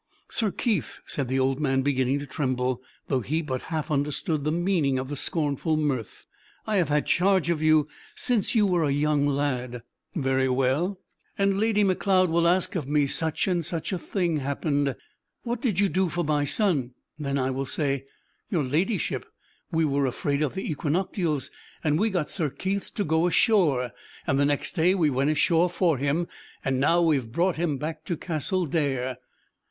"Sir Keith," said the old man, beginning to tremble, though he but half understood the meaning of the scornful mirth, "I have had charge of you since you were a young lad." "Very well!" "And Lady Macleod will ask of me, 'Such and such a thing happened: what did you do for my son?' Then I will say, 'Your ladyship, we were afraid of the equinoctials; and we got Sir Keith to go ashore; and the next day we went ashore for him; and now we have brought him back to Castle Dare!'"